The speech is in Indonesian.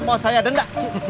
mau saya denda